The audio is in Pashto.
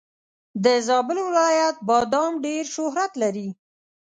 د زابل ولایت بادم ډېر شهرت لري.